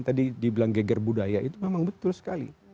tadi dibilang geger budaya itu memang betul sekali